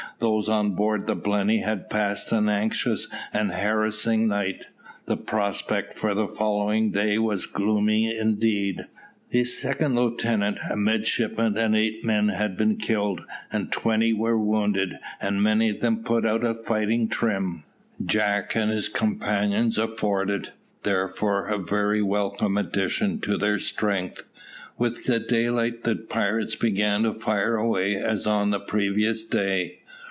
Those on board the Blenny had passed an anxious and harassing night; the prospect for the following day was gloomy indeed. The second lieutenant, a midshipman, and eight men had been killed, and twenty were wounded, many of them put out of fighting trim. Jack and his companions afforded, therefore, a very welcome addition to their strength. With daylight the pirates began to fire away as on the previous day.